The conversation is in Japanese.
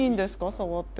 触っても。